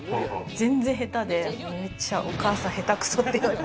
全然下手で、お母さん下手くそって言われて。